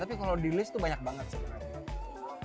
tapi kalau di list tuh banyak banget sebenarnya